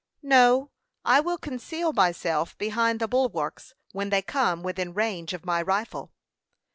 "No; I will conceal myself behind the bulwarks when they come within range of my rifle."